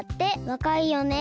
わかいよね。